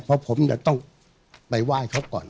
เพราะผมจะต้องไปไหว้เขาก่อน